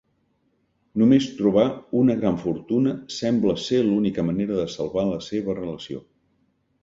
Només trobar una gran fortuna sembla ser l'única manera de salvar la seva relació.